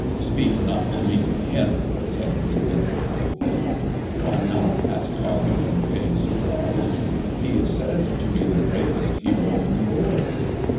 "Speak not to me of him," said Brunhilde coldly. "Why not?" asked Hagen in feigned surprise. "He is said to be the bravest hero in the world."